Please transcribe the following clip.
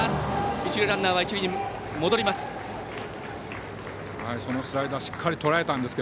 一塁ランナーは一塁に戻ります。